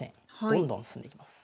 どんどん進んできます。